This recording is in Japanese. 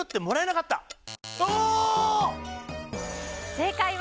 正解は。